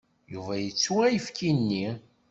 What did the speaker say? Yuba yettu ayefki-nni.